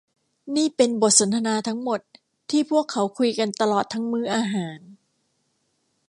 นี่เป็นบทสนทนาทั้งหมดที่พวกเขาคุยกันตลอดทั้งมื้ออาหาร